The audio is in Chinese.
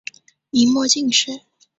明末进士。